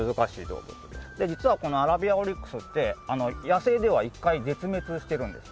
実はこのアラビアオリックスって野生では一回絶滅してるんです。